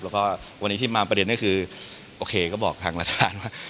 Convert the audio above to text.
แล้วก็วันนี้ที่มาประเด็นก็คือโอเคก็บอกทางรัฐบาลว่า